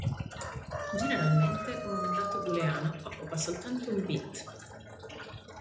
Generalmente un dato booleano occupa soltanto un bit.